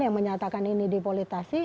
yang menyatakan ini dipolitikasi